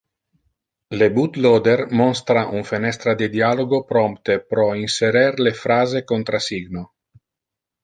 Le bootloader monstra un fenestra de dialogo prompte pro inserer le phrase contrasigno.